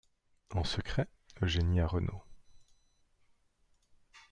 En secret, Eugénie a Renaud.